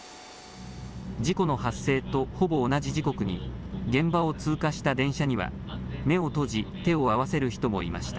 事故の発生とほぼ同じ時刻に現場を通過した電車には目を閉じ手を合わせる人もいました。